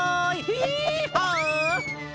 ヒーハー！